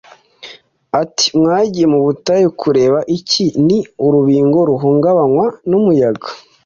ati mwagiye mu butayu kureba iki Ni urubingo ruhungabanywa n umuyaga